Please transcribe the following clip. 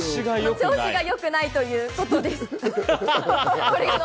調子が良くないということです。